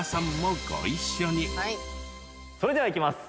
それではいきます。